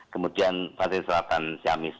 kemudian pasir selatan siamis